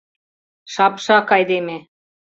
Шапшак айдеме!..